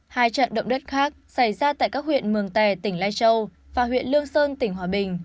hai trận động đất khác xảy ra tại các huyện mường tè tỉnh lai châu và huyện lương sơn tỉnh hòa bình